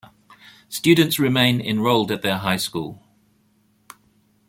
Students remain enrolled at their high school.